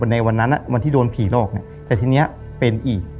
ในวันนั้นวันที่โดนผีหลอกเนี่ยแต่ทีนี้เป็นอีก